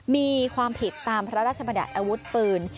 มีความผิดตามพระราชบัญญัติอาวุธปืน